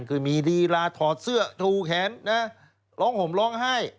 คือมีลีลาถอดเสื้อชูแขนนะร้องห่มร้องไห้